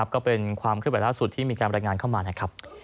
ก็เป็นความเคลื่อนไหวล่าสุดที่มีการบรรยายงานเข้ามานะครับ